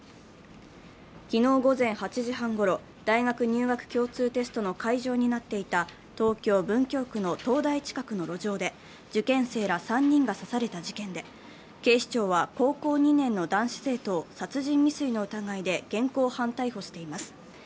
昨日午前８時半ごろ、大学入学共通テストの会場になっていた東京・文京区の東大近くの路上で、受験生ら３人が刺された事件で、警視庁は高校２年の男子生徒を殺人未遂の疑いで現行犯逮捕しています。